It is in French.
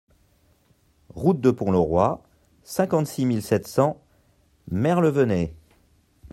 Route de Pont Lorois, cinquante-six mille sept cents Merlevenez